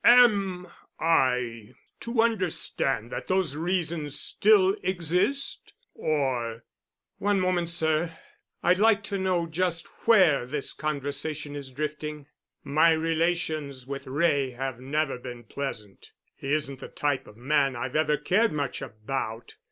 "Am I to understand that those reasons still exist? Or——" "One moment, sir. I'd like to know just where this conversation is drifting. My relations with Wray have never been pleasant. He isn't the type of man I've ever cared much about.